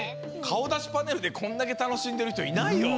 かおだしパネルでこんだけたのしんでるひといないよ。